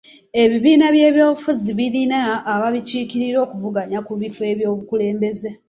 Ebibiina by'ebyobufuzi birina ababikiikirira okuvuganya ku bifo by'obukulembeze.